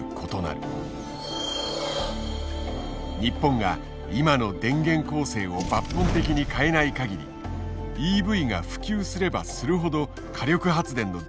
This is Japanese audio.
日本が今の電源構成を抜本的に変えないかぎりＥＶが普及すればするほど火力発電の電力を大量に使うことになる。